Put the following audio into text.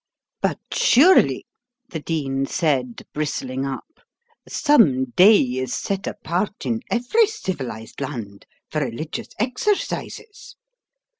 "But surely," the Dean said, bristling up, "some day is set apart in every civilised land for religious exercises."